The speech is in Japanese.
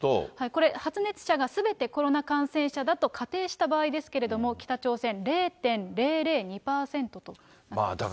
これ、発熱者がすべてコロナ感染者だと仮定した場合ですけれども、北朝鮮、０．００２％となっています。